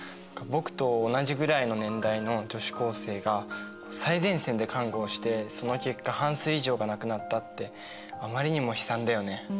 僕と同じぐらいの年代の女子高生が最前線で看護をしてその結果半数以上が亡くなったってあまりにも悲惨だよね。